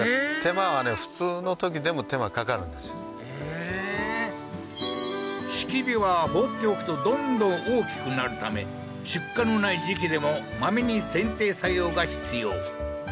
えー櫁は放っておくとどんどん大きくなるため出荷のない時期でもマメに剪定作業が必要